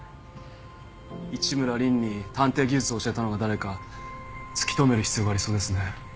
市村凜に探偵技術を教えたのが誰か突き止める必要がありそうですね。